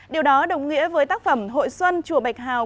điều đó đồng nghĩa với tác phẩm hội xuân chùa bạch hào